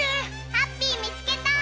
ハッピーみつけた！